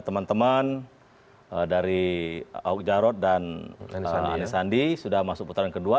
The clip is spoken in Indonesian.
teman teman dari ahok jarot dan anisandi sudah masuk putaran kedua